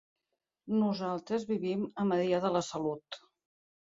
Nosaltres vivim a Maria de la Salut.